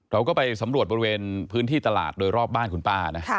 เราก็ไปสำรวจบริเวณพื้นที่ตลาดโดยรอบบ้านคุณป้านะ